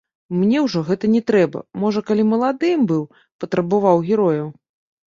Мне ўжо гэта не трэба, можа, калі маладым быў, патрабаваў герояў.